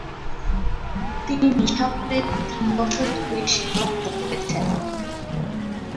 তিনি নিশাপুরে তিন দশক ধরে শিক্ষকতা করেছেন।